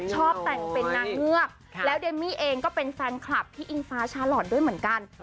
ชอบแต่งเป็นนางเงือกแล้วเดมมี่เองก็เป็นแฟนคลับพี่อิงฟ้าชาลอทด้วยเหมือนกัน